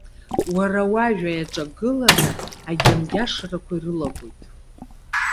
Уара уажәа иаҿагыланы агьангьашрақәа ирылагоит.